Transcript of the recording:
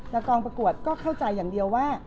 และกองประกวดก็เข้าใจอย่างเดียวว่า